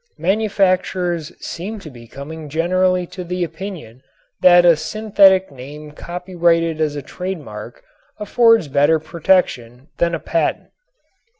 Manufacturers seem to be coming generally to the opinion that a synthetic name copyrighted as a trademark affords better protection than a patent.